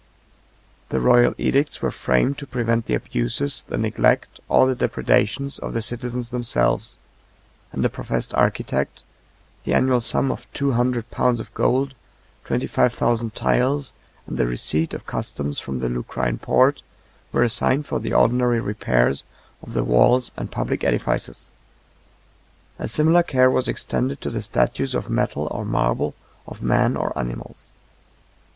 65 The royal edicts were framed to prevent the abuses, the neglect, or the depredations of the citizens themselves; and a professed architect, the annual sum of two hundred pounds of gold, twenty five thousand tiles, and the receipt of customs from the Lucrine port, were assigned for the ordinary repairs of the walls and public edifices. A similar care was extended to the statues of metal or marble of men or animals.